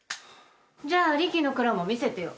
「じゃあ理紀の蔵も見せてよ」